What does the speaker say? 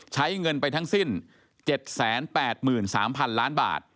ใช้เงินไปทั้งสิ้น๗๘๓๐๐๐ล้านบาท